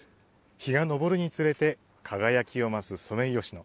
日が昇るにつれて輝きを増すソメイヨシノ。